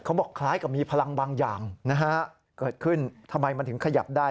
บอกคล้ายกับมีพลังบางอย่างนะฮะเกิดขึ้นทำไมมันถึงขยับได้